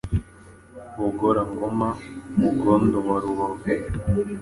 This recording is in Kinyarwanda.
Bogora- ngoma, Mugondo wa Rubavu.